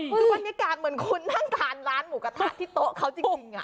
คือบรรยากาศเหมือนคุณนั่งทานร้านหมูกระทะที่โต๊ะเขาจริง